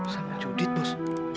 sama judit bos